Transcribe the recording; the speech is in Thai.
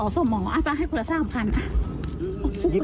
ส่อนรูป